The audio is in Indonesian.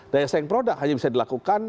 daya saing produk hanya bisa dilakukan